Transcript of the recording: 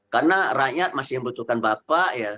karena rakyat masih membutuhkan bapak ya